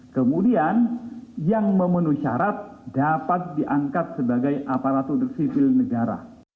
kemudian yang memenuhi syarat dapat diangkat sebagai aparatur